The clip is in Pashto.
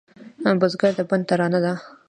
بزګر د بڼ ترانه ده